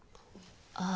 ああ。